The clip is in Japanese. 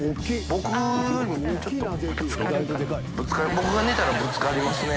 僕が寝たらぶつかりますね